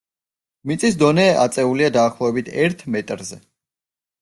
მიწის დონე აწეულია დაახლოებით ერთ მეტრზე.